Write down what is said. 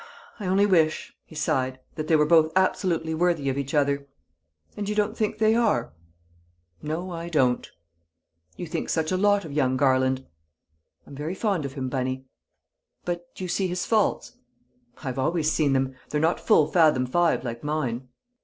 "I only wish," he sighed, "that they were both absolutely worthy of each other!" "And you don't think they are?" "No, I don't." "You think such a lot of young Garland?" "I'm very fond of him, Bunny." "But you see his faults?" "I've always seen them; they're not full fathom five like mine!"